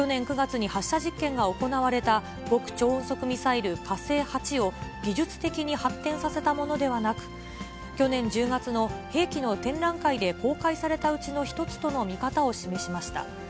また今回のミサイルは、去年９月に発射実験が行われた、極超音速ミサイル、かせい８を技術的に発展させたものではなく、去年１０月の兵器の展覧会で公開されたうちの１つとの見方を示しました。